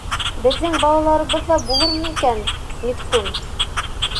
— Беҙҙең балаларыбыҙ ҙа булырмы икән, Митхун?